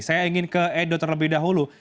saya ingin ke edo terlebih dahulu